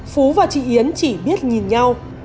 phú và chị yến chỉ biết nhìn nhau